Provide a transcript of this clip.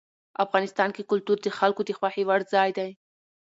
افغانستان کې کلتور د خلکو د خوښې وړ ځای دی.